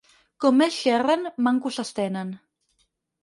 Com més xerren, manco s'entenen.